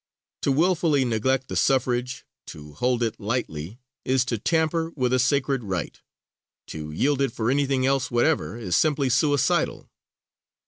To wilfully neglect the suffrage, to hold it lightly, is to tamper with a sacred right; to yield it for anything else whatever is simply suicidal.